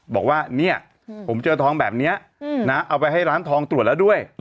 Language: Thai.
บอกว่าเนี่ยผมเจอทองแบบนี้นะเอาไปให้ร้านทองตรวจแล้วด้วย